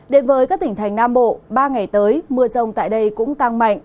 đến với các tỉnh thành nam bộ ba ngày tới mưa rông tại đây cũng tăng mạnh